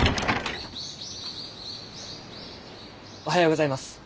おはようございます。